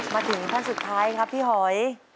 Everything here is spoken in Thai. มาถึงท่านสุดท้ายครับพี่หอย